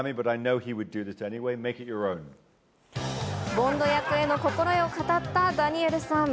ボンド役への心得を語ったダニエルさん。